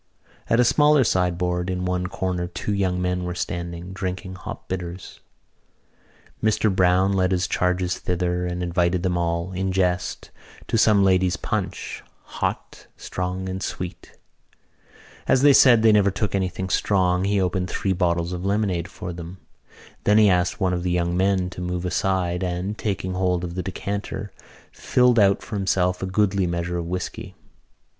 At a smaller sideboard in one corner two young men were standing, drinking hop bitters. Mr Browne led his charges thither and invited them all, in jest, to some ladies' punch, hot, strong and sweet. As they said they never took anything strong he opened three bottles of lemonade for them. Then he asked one of the young men to move aside, and, taking hold of the decanter, filled out for himself a goodly measure of whisky.